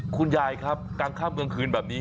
คุณยายครับกลางค่ำกลางคืนแบบนี้